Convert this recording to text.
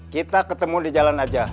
kita ketemu di jalan aja